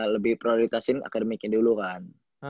lebih prioritasin akademiknya dulu kan